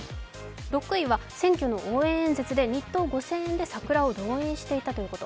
６位は選挙の応援演説で日当５０００円でサクラを動員していたということ。